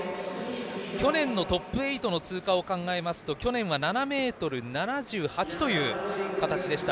去年のトップ８の通過を考えますと去年は７ｍ７８という形でした。